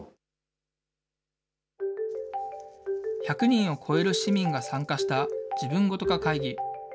１００人を超える市民が参加した、自分ごと化会議。